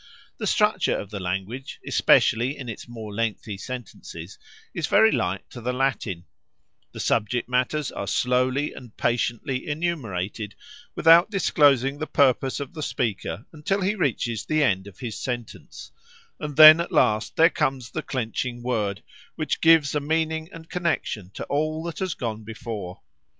The structure of the language, especially in its more lengthy sentences, is very like to the Latin: the subject matters are slowly and patiently enumerated, without disclosing the purpose of the speaker until he reaches the end of his sentence, and then at last there comes the clenching word, which gives a meaning and connection to all that has gone before.